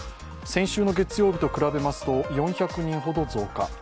先週の月曜日と比べますと４００人ほど増加。